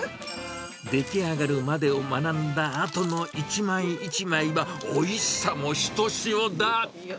出来上がるまでを学んだあとの一枚一枚は、おいしさもひとしおだ。